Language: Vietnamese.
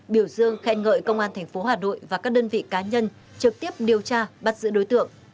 biểu dương khen ngợi công an tp hà nội và các đơn vị cá nhân trực tiếp điều tra bắt giữ đối tượng